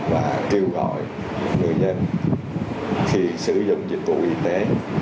và kêu gọi người dân khi sử dụng dịch vụ y tế